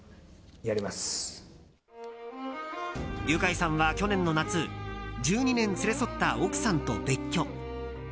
ユカイさんは去年の夏１２年連れ添った奥さんと別居。